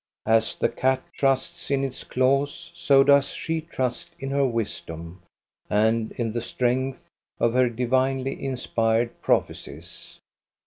As the cat trusts in its claws, so does she trust in her wisdom and in the strength of her divinely inspired prophe cies.